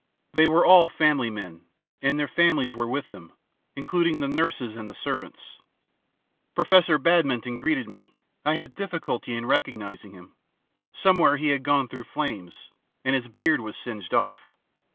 They were all family men, and their families were with them, including the nurses and the servants. Professor Badminton greeted me, I had difficulty in recognizing him. Somewhere he had gone through flames, and his beard was singed off.